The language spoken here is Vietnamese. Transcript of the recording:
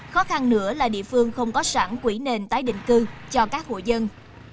khó khăn nữa là địa phương không có sẵn quỹ nền tái định cư cho các hộ dân